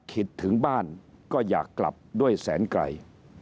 คิดถึงบ้านก็อยากกลับด้วยแสนไกล